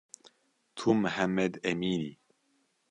Tu Mihemmed Emîn î